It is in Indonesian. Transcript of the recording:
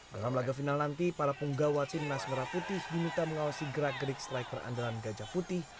dalam laga final nanti para penggawa timnas merah putih diminta mengawasi gerak gerik striker andalan gajah putih